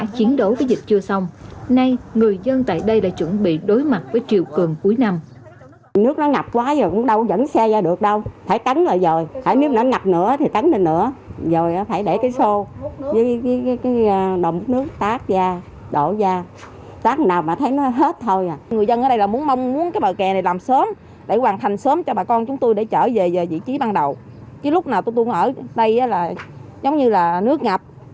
chiến đấu với dịch chưa xong nay người dân tại đây đã chuẩn bị đối mặt với trừ cường cuối năm